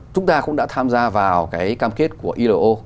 chúng ta cũng đã tham gia vào cái cam kết của ilo